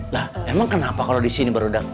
lah emang kenapa kalo disini berudang